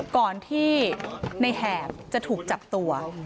ก่อนที่ในแหบจะถูกจับตัว